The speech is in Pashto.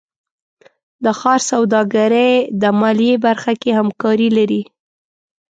د ښار سوداګرۍ د مالیې برخه کې همکاري لري.